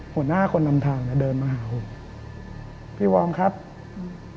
หัวหน้าคนนำทางเนี้ยเดินมาหาผมพี่วอร์มครับอืม